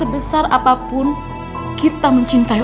besar apapun kita mencintai